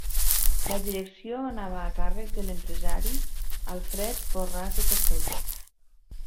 La direcció anava a càrrec de l’empresari Alfred Borràs i Castells.